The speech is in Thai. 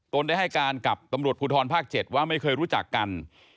ได้ให้การกับตำรวจภูทรภาค๗ว่าไม่เคยรู้จักกัน